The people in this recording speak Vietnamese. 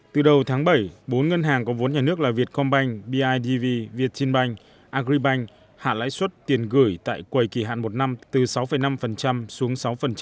từ đầu tháng bảy bốn ngân hàng có vốn nhà nước là vietcombank bidv vietinbank agribank hạ lãi suất tiền gửi tại quầy kỳ hạn một năm từ sáu năm xuống sáu